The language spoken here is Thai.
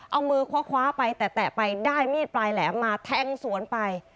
เอามือคว้าไปแตะไปได้มีดปลายแหลมมาแทงสวนไป